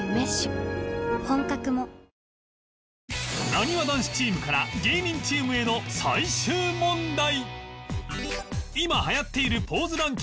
なにわ男子チームから芸人チームへの最終問題